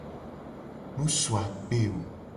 Mu su akpe o.